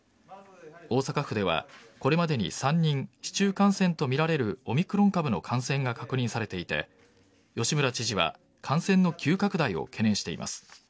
大阪府ではこれまでに３人市中感染とみられるオミクロン株の感染が確認されていて吉村知事は感染の急拡大を懸念しています。